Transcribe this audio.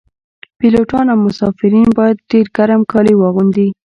پیلوټان او مسافرین باید ډیر ګرم کالي واغوندي